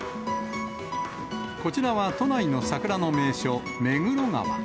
こちらは都内の桜の名所、目黒川。